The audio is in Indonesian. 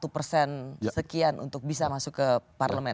satu persen sekian untuk bisa masuk ke parlemen